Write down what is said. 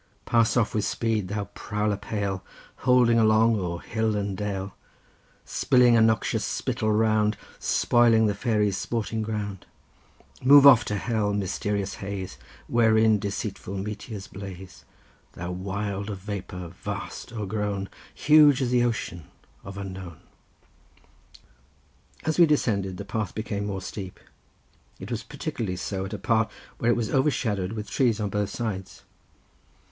Pass off with speed, thou prowler pale, Holding along o'er hill and dale, Spilling a noxious spittle round, Spoiling the fairies' sporting ground! Move off to hell, mysterious haze; Wherein deceitful meteors blaze; Thou wild of vapour, vast, o'ergrown, Huge as the ocean of unknown." As we descended the path became more steep; it was particularly so at a part where it was overshadowed with trees on both sides.